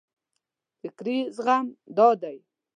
فکري زغم دا دی.